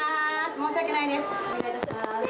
申し訳ないです。